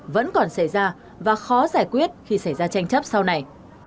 vẫn còn xảy ra và khó giải quyết khi xảy ra tranh chấp sau này